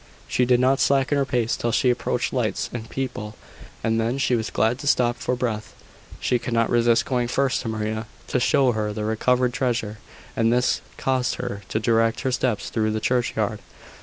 She did not slacken her pace till she approached lights and people; and then she was glad to stop for breath. She could not resist going first to Maria, to show her the recovered treasure; and this caused her to direct her steps through the churchyard.